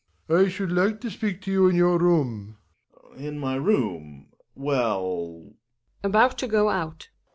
I should like to speak to you in your room. Gregers. In my room — well About to go out.